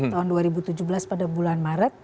tahun dua ribu tujuh belas pada bulan maret